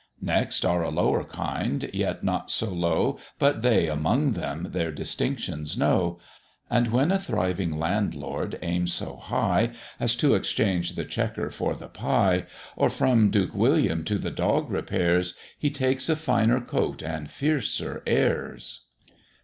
Next are a lower kind, yet not so low But they, among them, their distinctions know; And when a thriving landlord aims so high, As to exchange the Chequer for the Pye, Or from Duke William to the Dog repairs, He takes a finer coat and fiercer airs.